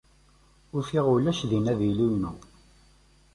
Ufiɣ ulac din avilu-inu.